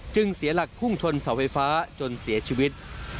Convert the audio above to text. เสียหลักพุ่งชนเสาไฟฟ้าจนเสียชีวิต